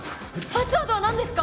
パスワードは何ですか？